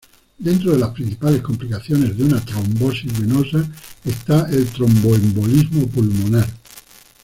Dentro de las principales complicaciones de una trombosis venosa está el tromboembolismo pulmonar.